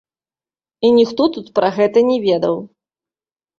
І ніхто тут пра гэта не ведаў.